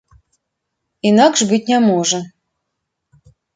Інакш быць не можа.